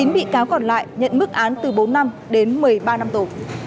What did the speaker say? chín bị cáo còn lại nhận mức án từ bốn năm đến một mươi ba năm tù